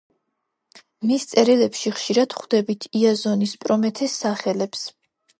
მის წერილებში ხშირად ვხვდებით იაზონის, პრომეთეს სახელებს.